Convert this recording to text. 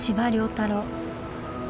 太郎。